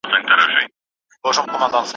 که پاچا دی که امیر ګورته رسیږي